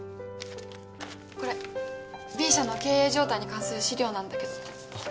これＢ社の経営状態に関する資料なんだけど。